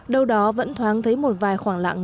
đâu đó vẫn thoáng thấy một vài khoảng lạng